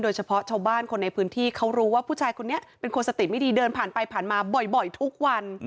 เฉพาะชาวบ้านคนในพื้นที่เขารู้ว่าผู้ชายคนนี้เป็นคนสติไม่ดีเดินผ่านไปผ่านมาบ่อยทุกวัน